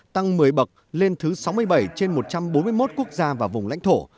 vừa mới bật lên thứ sáu mươi bảy trên một trăm bốn mươi một quốc gia và vùng lãnh thổ